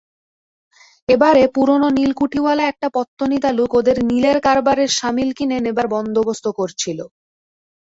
এবারে পুরোনো নীলকুঠিওয়ালা একটা পত্তনি তালুক ওদের নীলের কারবারের শামিল কিনে নেবার বন্দোবস্ত করছিল।